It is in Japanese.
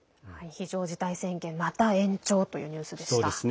非常事態宣言また延長というニュースでした。